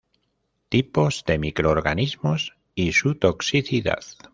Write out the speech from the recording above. Tipos de microorganismos y su toxicidad.